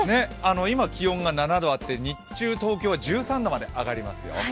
今、気温が７度あって、日中、東京は１３度まで上がりますよ。